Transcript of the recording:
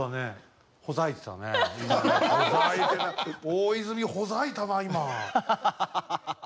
大泉ほざいたなあ